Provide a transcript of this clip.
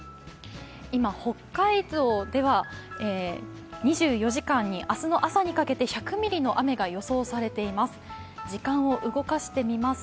北海道では２４時間に明日の朝にかけて１００ミリの雨が予想されています。